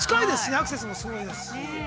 アクセスもいいですし。